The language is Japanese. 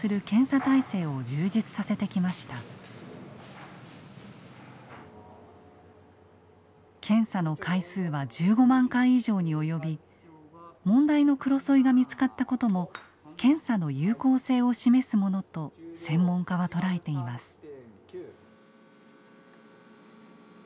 検査の回数は１５万回以上に及び問題のクロソイが見つかったことも検査の有効性を示すものと専門家は捉えています。